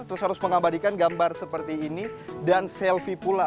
terus harus mengabadikan gambar seperti ini dan selfie pula